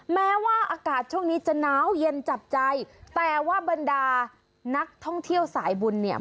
แม้ว่าอากาศช่วงนี้จะน้าวเย็นจับใจแต่ว่าบรรดานักท่องเที่ยวสายบุญเนี่ย